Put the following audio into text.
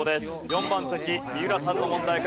４番席三浦さんの問題からいきます。